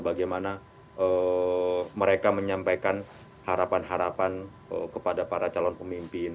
bagaimana mereka menyampaikan harapan harapan kepada para calon pemimpin